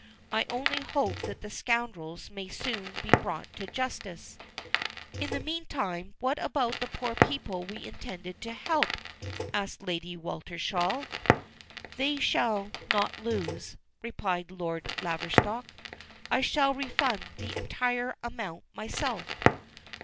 "I only hope that the scoundrels may be soon brought to justice." "In the meantime what about the poor people we intended to help?" asked Lady Weltershall. "They shall not lose," replied Lord Laverstock. "I shall refund the entire amount myself."